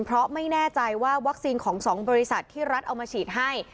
เพราะไม่แน่ใจว่าวัคซีนของ๒บริษัทที่รัฐเอามาฉีดให้